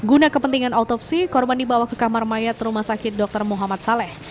guna kepentingan autopsi korban dibawa ke kamar mayat rumah sakit dr muhammad saleh